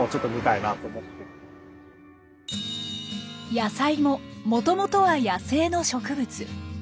野菜ももともとは野生の植物。